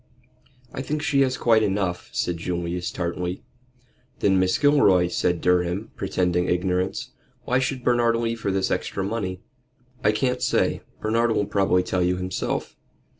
"I think she has quite enough," said Julius, tartly. "Then Mrs. Gilroy," said Durham, pretending ignorance. "Why should Bernard leave her this extra money?" "I can't say. Bernard will probably tell you himself.